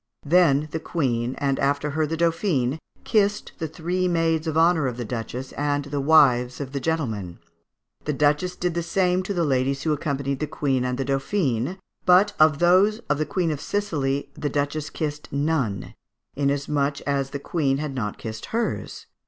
Then the Queen, and after her the Dauphine, kissed the three maids of honour of the Duchess and the wives of the gentlemen. The Duchess did the same to the ladies who accompanied the Queen and the Dauphine, "but of those of the Queen of Sicily the Duchess kissed none, inasmuch as the Queen had not kissed hers.